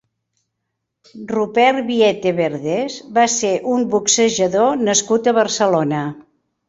Rupert Biete Verdés va ser un boxejador nascut a Barcelona.